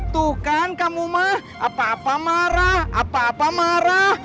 tuh kan kamu mah apa apa marah apa apa marah